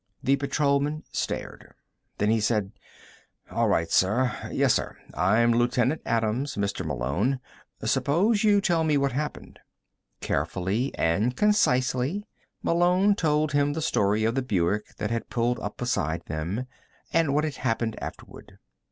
The patrolman stared. Then he said: "All right, sir. Yes, sir. I'm Lieutenant Adams, Mr. Malone. Suppose you tell me what happened?" Carefully and concisely, Malone told him the story of the Buick that had pulled up beside them, and what had happened afterward.